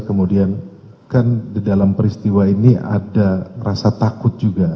kemudian kan di dalam peristiwa ini ada rasa takut juga